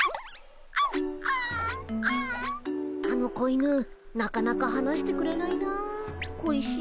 あの子犬なかなかはなしてくれないな小石。